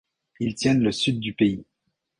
Ils tiennent le Sud du pays.